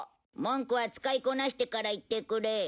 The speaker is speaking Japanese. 文句は使いこなしてから言ってくれ。